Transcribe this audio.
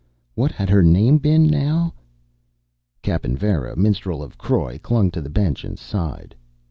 What had her name been, now? Cappen Varra, minstrel of Croy, clung to the bench and sighed.